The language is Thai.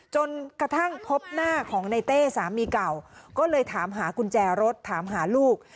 จนกระทั่งพบหน้าของในเต้สามีเก่าก็เลยถามหากุญแจรถถามหาลูก